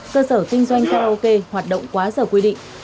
cơ sở kinh doanh karaoke hoạt động quá giờ quy định